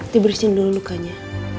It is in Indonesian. dibersihin dulu lukanya